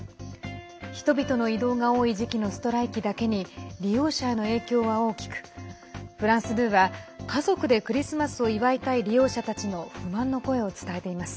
人々の移動が多い時期のストライキだけに利用者への影響は大きくフランス２は家族でクリスマスを祝いたい利用者たちの不満の声を伝えています。